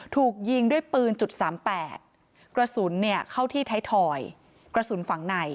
ถูกยิงด้วยปืนจุดสามแปดกระสุนเนี่ยเข้าที่ไทยทอยกระสุนฝั่งใน